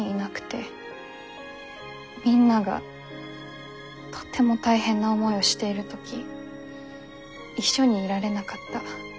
みんながとても大変な思いをしている時一緒にいられなかった。